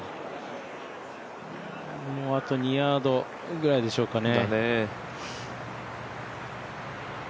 もうあと２ヤードぐらいでしょうかね。